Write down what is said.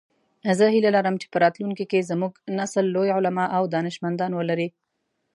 زه هیله لرم چې په راتلونکي کې زموږ نسل لوی علماء او دانشمندان ولری